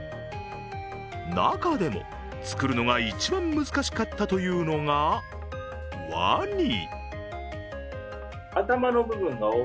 中でも作るのが一番難しかったというのが、ワニ。